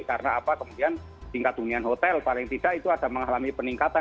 karena apa kemudian tingkat dunia hotel paling tidak itu ada mengalami peningkatan